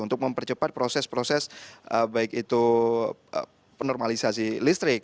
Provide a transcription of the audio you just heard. untuk mempercepat proses proses baik itu penormalisasi listrik